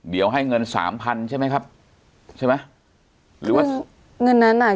เดี๋ยวให้เงินสามพันใช่ไหมครับใช่ไหมหรือว่าเงินนั้นอ่ะ